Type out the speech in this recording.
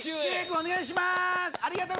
お願いします。